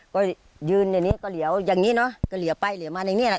ก็ยืนอย่างนี้ก็เหลียวอย่างนี้เนอะก็เหลียวไปเหลียวมาในนี่แหละ